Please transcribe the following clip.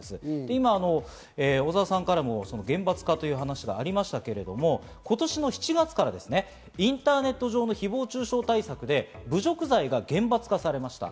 今、小澤さんからも厳罰化という話がありましたけど、今年の７月からインターネット上の誹謗中傷対策で侮辱罪が厳罰化されました。